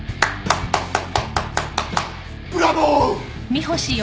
ブラボー！